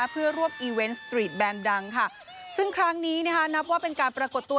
เพื่อร่วมอีเวนต์สตรีทแบนดังค่ะซึ่งครั้งนี้นะคะนับว่าเป็นการปรากฏตัว